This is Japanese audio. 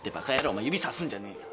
お前指さすんじゃねえよ。